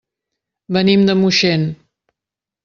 Venim de Moixent.